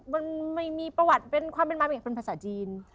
มันไม่มีประวัติเป็นความเป็นมาเป็นเอกเป็นภาษาจีน